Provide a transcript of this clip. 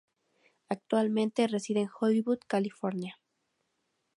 Actualmente reside en Hollywood, California.